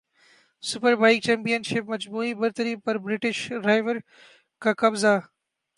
superbike championship مجموعی برتری پر برٹش رائیور کاقبضہ